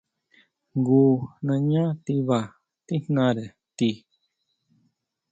Jngu nañá tiba tíjnare ti.